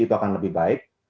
itu akan lebih baik